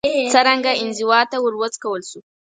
څرنګه انزوا ته وروڅکول شو